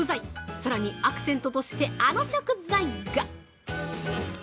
さらに、アクセントとしてあの食材が！